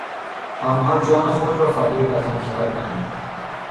آنها جان خود را فدای وطن کردند.